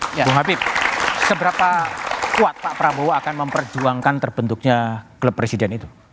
ibu habib seberapa kuat pak prabowo akan memperjuangkan terbentuknya klub presiden itu